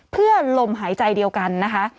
เพื่อลมหายใจเดียวกันนะคะ